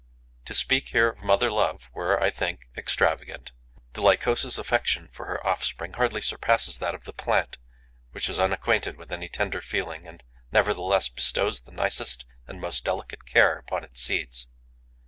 To speak here of mother love were, I think, extravagant. The Lycosa's affection for her offspring hardly surpasses that of the plant, which is unacquainted with any tender feeling and nevertheless bestows the nicest and most delicate care upon its seeds.